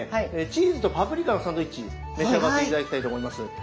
チーズとパプリカのサンドイッチ召し上がって頂きたいと思います。